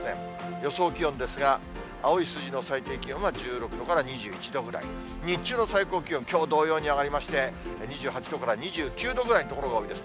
予想気温ですが、青い数字の最低気温は１６度から２１度ぐらい、日中の最高気温、きょう同様に上がりまして、２８度から２９度ぐらいの所が多いです。